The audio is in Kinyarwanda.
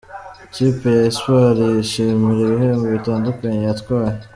Ikipe ya Espoir yishimira ibihembo bitandukanye yatwaye.